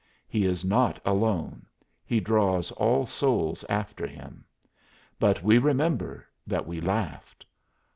He is not alone he draws all souls after him. But we remember that we laughed!